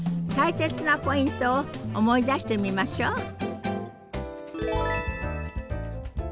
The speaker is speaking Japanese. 大切なポイントを思い出してみましょう。